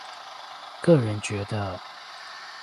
個人覺得